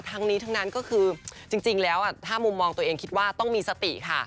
ทั้งนี้ทั้งนั้นก็คือจริงแล้วถ้ามุมมองตัวเองคิดว่าต้องมีสติค่ะ